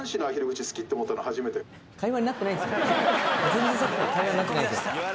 全然さっきから会話になってない。